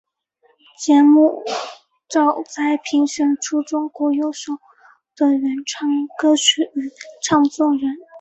节目旨在评选出中国优秀的原创歌曲与唱作人。